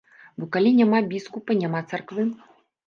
Бо калі няма біскупа, няма царквы!